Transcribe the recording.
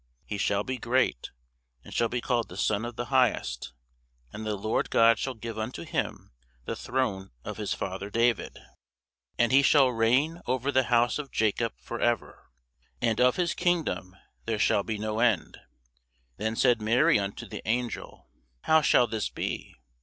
He shall be great, and shall be called the Son of the Highest: and the Lord God shall give unto him the throne of his father David: and he shall reign over the house of Jacob for ever; and of his kingdom there shall be no end. Then said Mary unto the angel, How shall this be?